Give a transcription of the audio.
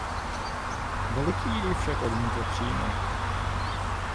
Veliký jej však odmítl přijmout.